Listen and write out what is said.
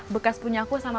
bekas punya aku sama